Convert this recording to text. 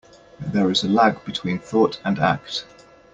There is a lag between thought and act.